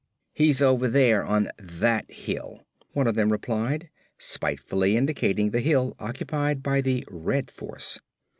"He's over there on that hill," one of them replied, spitefully indicating the hill occupied by the Red force.